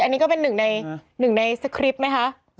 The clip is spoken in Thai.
อันนี้ก็เป็นหนึ่งในสคริปต์ไหมฮะ